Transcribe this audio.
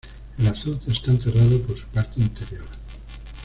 El azud está enterrado por su parte interior.